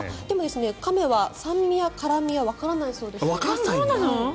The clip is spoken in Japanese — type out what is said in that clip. でも、亀は酸味や辛味はわからないそうです。